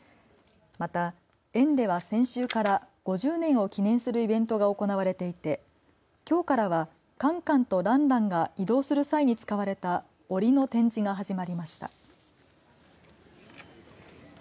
また、園では先週から５０年を記念するイベントが行われていてきょうからはカンカンとランランが移動する際に使われたおりの展示が始まりました。